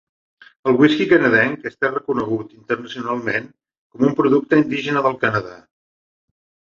El whisky canadenc està reconegut internacionalment com un producte indígena del Canadà.